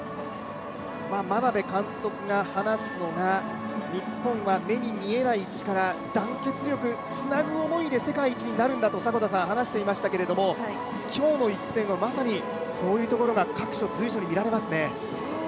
眞鍋監督が話すのが、日本は目に見えない力、団結力、ツナグ想いで世界一になるんだと話していましたけれども今日の一戦はまさにそういうところが各所、随所に見られますね。